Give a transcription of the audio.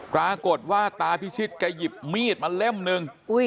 ปรากฏว่าตาพิชิตแกหยิบมีดมาเล่มนึง